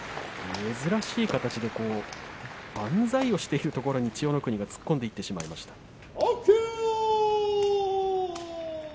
珍しい形で、万歳をしているところで千代の国が突っ込んでいってしまいました。